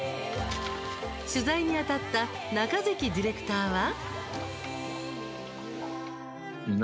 取材にあたった中関ディレクターは？